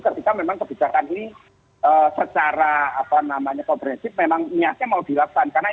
ketika memang kebijakan ini secara apa namanya kompresif memang niatnya mau dilaksanakan